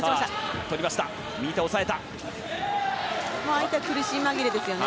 相手苦し紛れですよね